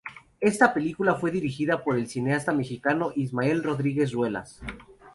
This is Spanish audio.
Esta película fue dirigida por el cineasta mexicano Ismael Rodríguez Ruelas.